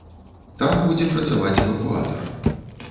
Там будзе працаваць эвакуатар.